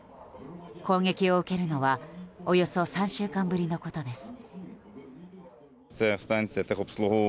攻撃を受けるのはおよそ３週間ぶりのことです。